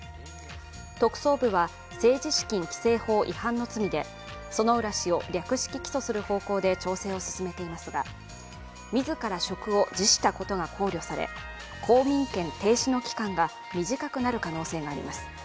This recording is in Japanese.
特捜部は政治資金規正法違反の罪で薗浦氏を略式起訴する方向で調整を進めていますが自ら職を辞したことが考慮され、公民権停止の期間が短くなる可能性があります。